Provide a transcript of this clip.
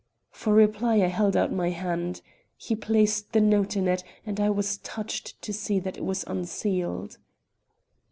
For reply I held out my hand. He placed the note in it, and I was touched to see that it was unsealed.